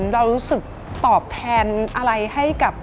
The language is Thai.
เรารู้สึกตอบแทนอะไรให้กับ